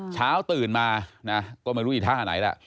เช้าตื่นมานะก็ไม่รู้อีท่าไหนแหละ